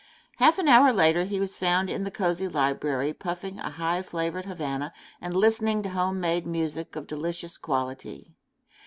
Half an hour later he was found in the cozy library puffing a high flavored Havana, and listening to home made music of delicious quality.